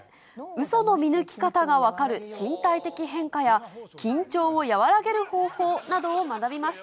うその見抜き方が分かる身体的変化や、緊張を和らげる方法などを学びます。